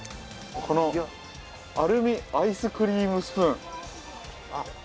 このアルミアイスクリームスプーン。